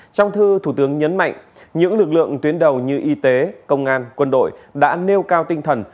trong thư thủ tướng nhấn mạnh những lực lượng tuyến đầu như y tế công an quân đội đã nêu cao tinh thần